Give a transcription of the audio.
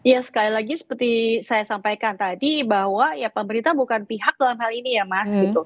ya sekali lagi seperti saya sampaikan tadi bahwa ya pemerintah bukan pihak dalam hal ini ya mas